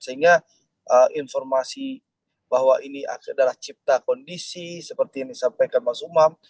sehingga informasi bahwa ini adalah cipta kondisi seperti yang disampaikan mas umam